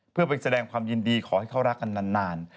เพื่อไปแสดงความยินดีขอให้เขารักกันนาน